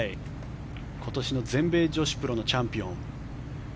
今年の全米女子プロのチャンピオン。